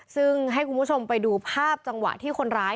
ซึ่งให้คุณผู้ชมไปดูภาพจังหวะที่คนร้าย